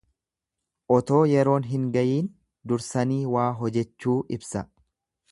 Otoo yeroon hin gayiin dursanii waa hojechuu ibsa.